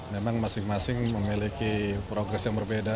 memang masing masing memiliki progres yang berbeda